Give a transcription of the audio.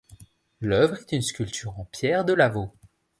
L'œuvre est une sculpture en pierre de Lavaux.